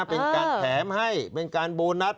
เป็นการแถมให้เป็นการโบนัส